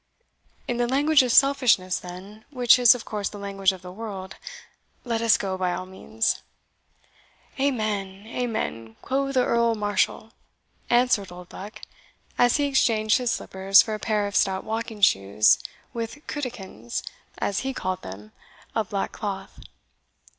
"In the language of selfishness, then, which is of course the language of the world let us go by all means." "Amen, amen, quo' the Earl Marshall," answered Oldbuck, as he exchanged his slippers for a pair of stout walking shoes, with cutikins, as he called them, of black cloth.